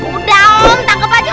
kudome tangkap baju lo